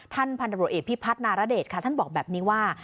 พันธบรวจเอกพิพัฒนารเดชค่ะท่านบอกแบบนี้ว่า